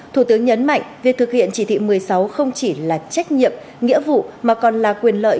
thủ tướng nhấn mạnh việc thực hiện chỉ thị một mươi sáu không chỉ là trách nhiệm nghĩa vụ mà còn là quyền lợi